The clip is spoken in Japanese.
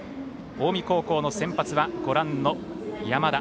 近江高校の先発は山田。